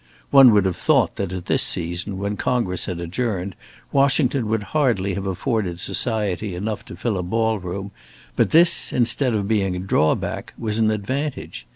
One would have thought that at this season, when Congress had adjourned, Washington would hardly have afforded society enough to fill a ball room, but this, instead of being a drawback, was an advantage.